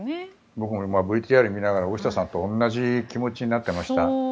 僕もＶＴＲを見ながら大下さんと同じ気持ちになってました。